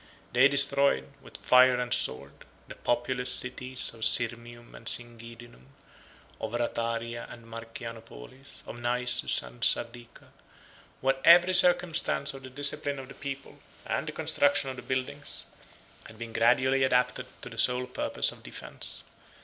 19 They destroyed, with fire and sword, the populous cities of Sirmium and Singidunum, of Ratiaria and Marcianopolis, of Naissus and Sardica; where every circumstance of the discipline of the people, and the construction of the buildings, had been gradually adapted to the sole purpose of defence.